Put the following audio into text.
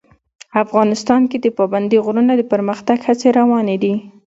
افغانستان کې د پابندی غرونه د پرمختګ هڅې روانې دي.